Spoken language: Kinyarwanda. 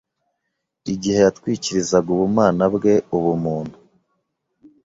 igihe yatwikirizaga ubumana bwe ubumuntu.